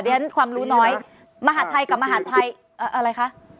เดี๋ยวฉันความรู้น้อยมหัฒน์ไทยกับมหัฒน์ไทยอะไรคะ